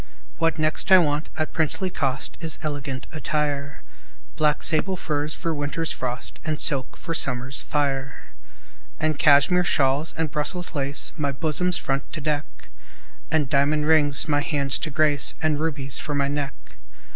What next I want, at princely cost, Is elegant attire : Black sable furs for winter's frost, And silks for summer's fire, And Cashmere shawls, and Brussels lace My bosom's front to deck, And diamond rings my hands to grace, And rubies for my neck.